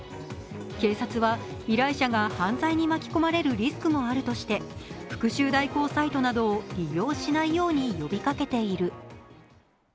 警察は依頼者が犯罪に巻き込まれるリスクもあるとして復しゅう代行サイトなどを利用しないように呼びかけている。